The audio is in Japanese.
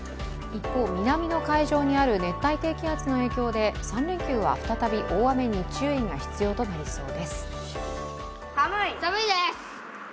一方、南の海上にある熱帯低気圧の影響で３連休は再び大雨に注意が必要となりそうです。